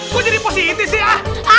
kok jadi positif sih ah